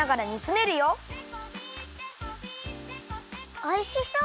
おいしそう！